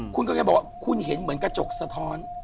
คุณกำลังจะบอกว่าคุณเห็นเหมือนกระจกสะท้อน